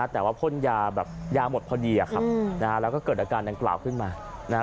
แต่ว่าพ่นยาแบบยาหมดพอดีครับนะฮะแล้วก็เกิดอาการดังกล่าวขึ้นมานะฮะ